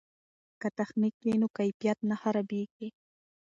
که تخنیک وي نو کیفیت نه خرابیږي.